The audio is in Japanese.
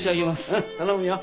うん頼むよ。